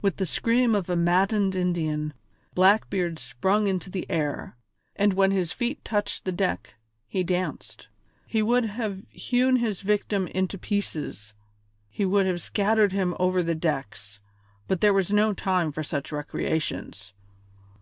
With the scream of a maddened Indian, Blackbeard sprung into the air, and when his feet touched the deck he danced. He would have hewn his victim into pieces, he would have scattered him over the decks, but there was no time for such recreations.